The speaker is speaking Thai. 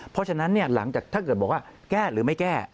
เพราะฉะนั้นหลังจากถ้าเกิดบอกว่าแก้หรือไม่แก้